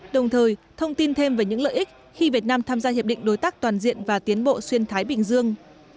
đồng thời thông tin thêm về những lợi ích khi việt nam tham gia hiệp định đối tác toàn diện và tiến bộ xuyên thái bình dương